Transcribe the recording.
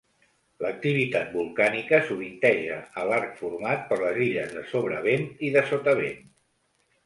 L'activitat volcànica sovinteja a l'arc format per les Illes de Sobrevent i de Sotavent.